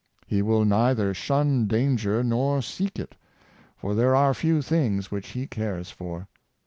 He will neither shun danger nor seek it, for there are few things which he cares for.